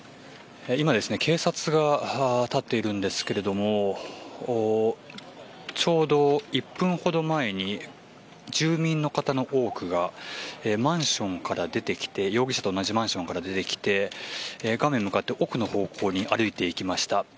今、警察が立っているんですけれどもちょうど１分ほど前に住民の方の多くがマンションから出てきて容疑者と同じマンションから出てきて画面向かって奥の方向に歩いていきました。